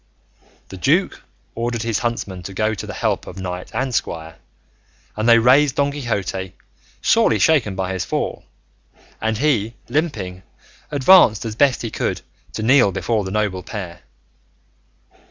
The duke ordered his huntsmen to go to the help of knight and squire, and they raised Don Quixote, sorely shaken by his fall; and he, limping, advanced as best he could to kneel before the noble pair.